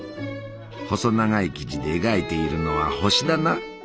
細長い生地で描いているのは星だな。